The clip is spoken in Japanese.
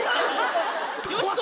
よしこ！